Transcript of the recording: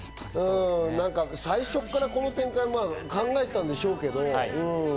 最初からこの展開を考えていたんでしょうけど。